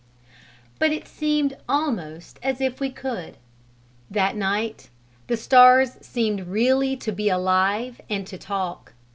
But it seemed almost as if we could that night: the stars seemed really to be alive and to talk.